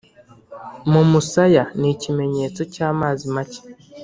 mumusaya ni ikimenyetso cyamazi make